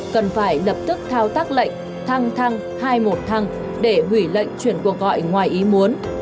cần phải lập tức thao tác lệnh thăng thăng hai một thăng để hủy lệnh chuyển cuộc gọi ngoài ý muốn